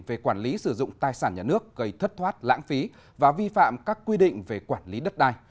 về quản lý sử dụng tài sản nhà nước gây thất thoát lãng phí và vi phạm các quy định về quản lý đất đai